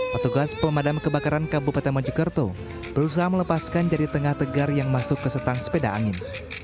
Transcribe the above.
petugas pemadam kebakaran kabupaten mojokerto berusaha melepaskan jari tengah tegar yang masuk ke setang sepeda angin